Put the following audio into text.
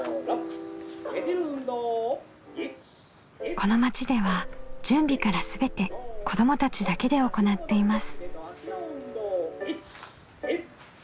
この町では準備から全て子どもたちだけで行っています。